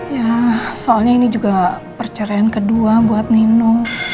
ya soalnya ini juga perceraian kedua buat nino